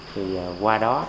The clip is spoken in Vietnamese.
thì qua đó